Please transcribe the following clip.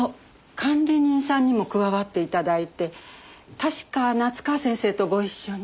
管理人さんにも加わって頂いて確か夏河先生とご一緒に。